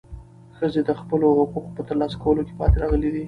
ښځې د خپلو حقوقو په ترلاسه کولو کې پاتې راغلې دي.